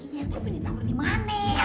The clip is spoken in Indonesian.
iya tapi ditaro dimana